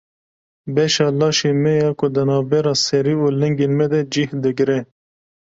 Beşa laşê me ya ku di navbera serî û lingên me de cih digire.